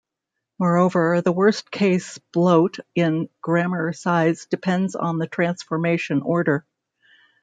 Moreover, the worst-case bloat in grammar size depends on the transformation order.